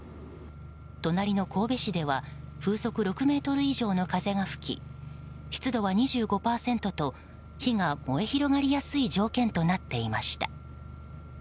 隣の神戸市では風速６メートル以上の風が吹き湿度は２５％と火が燃え広がりやすい条件となっていました。